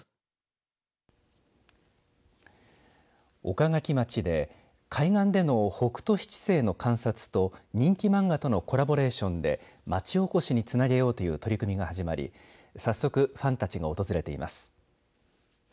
岡垣町で海岸での北斗七星の観察と人気漫画とのコラボレーションで町おこしにつなげようという取り組みが始まり早速ファンたちが訪れています。